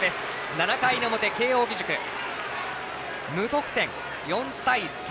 ７回表、慶応義塾無得点、４対３。